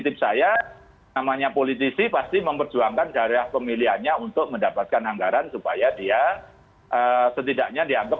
nah ini kan saya istilahnya persepsi titip saya namanya politisi pasti memperjuangkan darah pemilihannya untuk mendapatkan anggaran supaya dia setidaknya dianggarkan